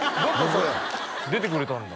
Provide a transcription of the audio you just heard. それ出てくれたんだ